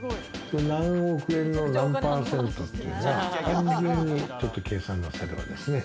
何億円の何％ってさ、単純にちょっと計算なさればですね。